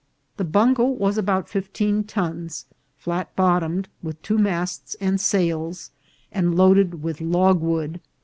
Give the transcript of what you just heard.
The bungo was about fifteen tons, flat bottomed, with two masts and sails, and loaded with logwood.